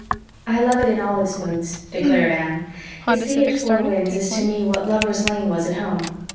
"I love it in all its moods," declared Anne. "The sea at Four Winds is to me what Lover's Lane was at home.